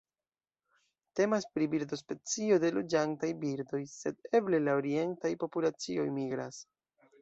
Temas pri birdospecio de loĝantaj birdoj, sed eble la orientaj populacioj migras.